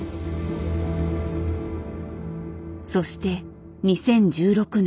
そして２０１６年。